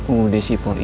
udeh si boy